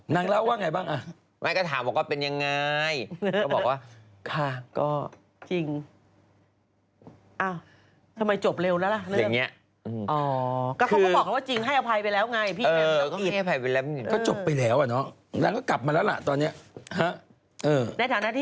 มึงไม่มาไปเจอแล้วใช่ไหมฮะ